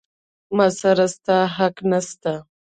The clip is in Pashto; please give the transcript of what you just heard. ما سره ستا حق نسته.